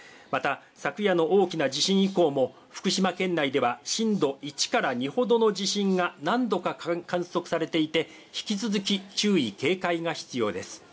また昨夜の大きな地震以降も福島県では震度１から２ほどの地震が何度か観測されていて、引き続き注意・警戒が必要です。